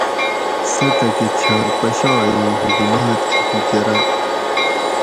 "سہ تھکہۤ چھال پشائ اوُں حکوماۤت کھیکی کۤراۤں"""